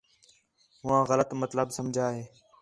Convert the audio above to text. ہوآں غلط مطلب سمجھا ہِے